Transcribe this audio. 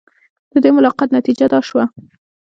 د دې ملاقات نتیجه دا شوه.